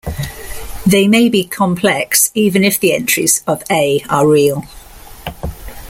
They may be complex even if the entries of A are real.